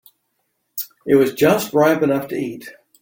It was just ripe enough to eat.